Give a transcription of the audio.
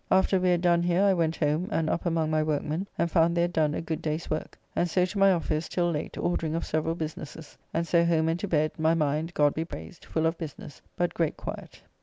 After we had done here I went home, and up among my workmen, and found they had done a good day's work, and so to my office till late ordering of several businesses, and so home and to bed, my mind, God be praised, full of business, but great quiet.